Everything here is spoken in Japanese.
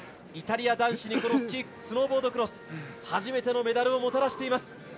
イタリア男子にスノーボードクロス初めてのメダルをもたらしています。